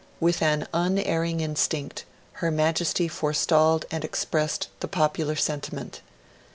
With an unerring instinct, Her Majesty forestalled and expressed the popular sentiment.